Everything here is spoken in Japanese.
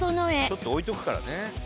ちょっと置いとくからね。